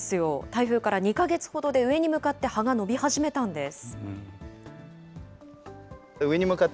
台風から２か月ほどで、上に向かって葉が伸び始めたんです。